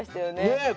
ねえ。